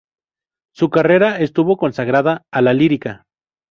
Su carrera estuvo consagrada a la lírica.